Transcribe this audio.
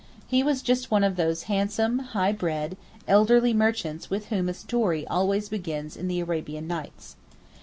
He was just one of those handsome, high bred, elderly merchants with whom a story always begins in the Arabian Nights.